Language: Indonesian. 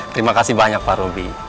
terima kasih banyak pak roby